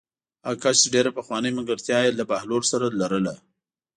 هغه کس چې ډېره پخوانۍ ملګرتیا یې له بهلول سره لرله.